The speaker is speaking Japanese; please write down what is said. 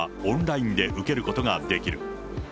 オンラインで受けることができる。